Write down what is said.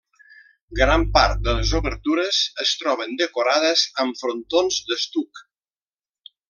Gran part de les obertures es troben decorades amb frontons d'estuc.